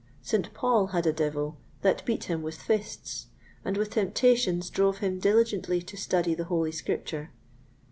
St. Paul had a devil that beat him with fists, and with temptations drove him diligently to study the Holy Scripture.